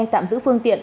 tạm giữ phương tiện